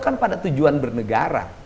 kan pada tujuan bernegara